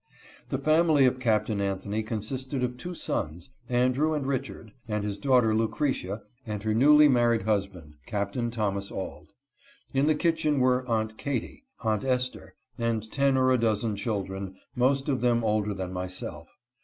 The family of Captain Anthony consisted of two sons — Andrew and Richard, and his daughter Lucretia and her newly married husband, Captain Thomas Auld. In the kitchen were Aunt Katy, Aunt Esther, and ten or a dozen children, most of them older than myself.